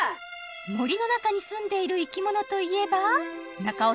森の中にすんでいる生き物といえば？